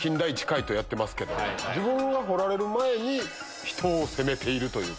自分が掘られる前に人を攻めているというか。